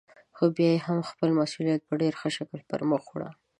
خو بيا يې هم خپل مسئوليت په ډېر ښه شکل پرمخ وړه.